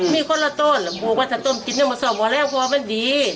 มีคนละต้นบูกว่าถ้าต้มกินเนี่ยมันสอบหมดแล้วพอมันดี